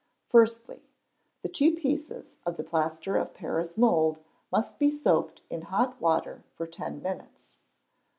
Firstly. The two pieces of the plaster of Paris mould must be soaked in hot water for ten minutes.